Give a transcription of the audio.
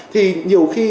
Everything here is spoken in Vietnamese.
thì nhiều khi